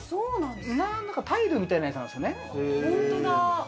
タイルみたいなやつなんです。